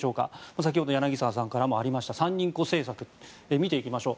先ほど柳澤さんからもありました三人っ子政策見ていきましょう。